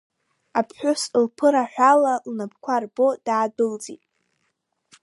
Аԥҳәыс лԥыраҳәала лнапқәа рбо даадәылҵит.